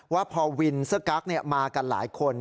ว่าพอวินเสื้อกั๊กมากันหลายคน